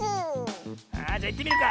あじゃいってみるか。